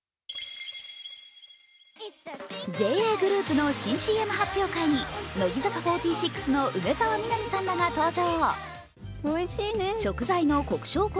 ＪＡグループの新ＣＭ発表会に乃木坂４６の梅澤美波さんらが登場。